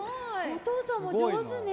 お父さんも上手ね。